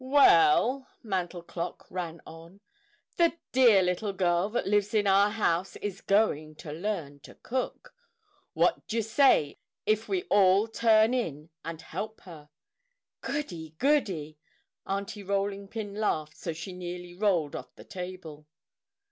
"Well," Mantel Clock ran on, "the dear little girl that lives in our house is going to learn to cook. What d'you say if we all turn in and help her?" "Goody goody!" Aunty Rolling Pin laughed so she nearly rolled off the table.